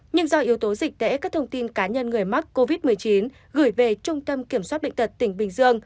nhưng do yếu tố dịch tễ các thông tin cá nhân người mắc covid một mươi chín gửi về trung tâm kiểm soát bệnh tật tỉnh bình dương